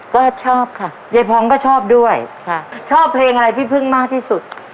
ก็ชอบค่ะยายพองก็ชอบด้วยค่ะชอบเพลงอะไรพี่พึ่งมากที่สุด